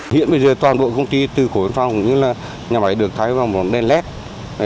hiện bây giờ toàn bộ công ty từ khối phong cũng như là nhà máy được thay vào một đèn led